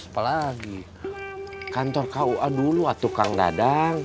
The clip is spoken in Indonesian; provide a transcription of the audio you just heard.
apalagi kantor kua dulu tukang dadang